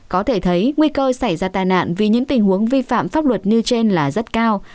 có thể thấy nguy cơ xảy ra tai nạn vì những tình huống vi phạm pháp luật như trên là rất cao